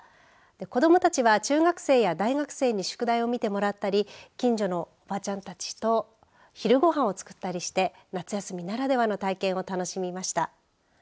子どもたちは中学生や大学生に宿題を見てもらったり近所のおばちゃんたちと昼ご飯を作ったりして夏休みならではの体験を楽しみました。